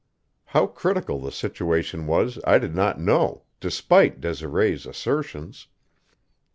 How critical the situation was I did not know, despite Desiree's assertions.